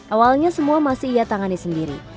awalnya semua masih ia tangani sendiri